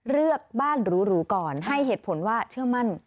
เลือกบ้านหรูก่อนให้เหตุผลว่าเชื่อมั่น